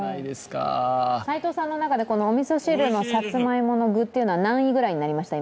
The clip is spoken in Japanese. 齋藤さんの中で、おみそ汁のさつまいもの具は何位ぐらいになりました？